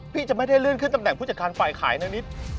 จะไม่ได้เลื่อนขึ้นตำแหน่งผู้จัดการฝ่ายขายนะนิด